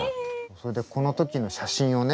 それでこの時の写真をね